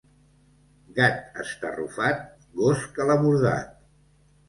Gat estarrufat, gos que l'ha bordat.